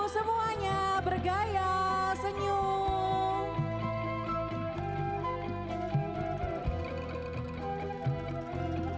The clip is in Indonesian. semuanya bergaya senyum